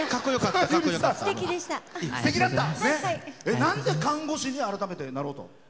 なんで看護師に改めて、なろうと？